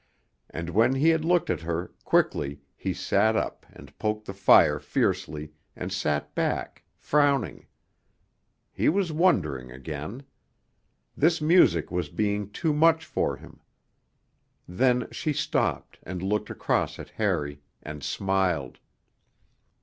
And when he had looked at her, quickly, he sat up and poked the fire fiercely, and sat back, frowning. He was wondering again. This music was being too much for him. Then she stopped, and looked across at Harry and smiled.